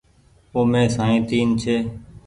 اومي سائين تين ڇي۔